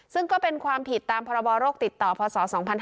ซึ่งก็เป็นความผิดตามพรบโรคติดต่อพศ๒๕๕๙